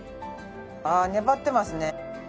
ああ粘ってますね。